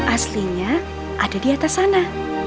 aslinya ada di atas sana